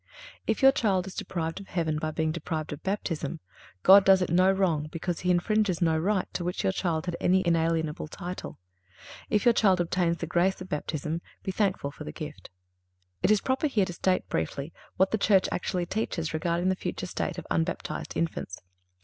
If your child is deprived of heaven by being deprived of Baptism, God does it no wrong because He infringes no right to which your child had any inalienable title. If your child obtains the grace of Baptism be thankful for the gift. It is proper here to state briefly what the Church actually teaches regarding the future state of unbaptized infants.